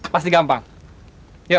pasti gampang ya